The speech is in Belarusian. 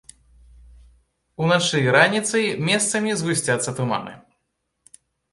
Уначы і раніцай месцамі згусцяцца туманы.